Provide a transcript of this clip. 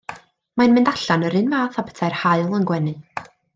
Mae'n mynd allan yr un fath â phetai'r haul yn gwenu.